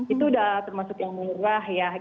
itu sudah termasuk yang murah ya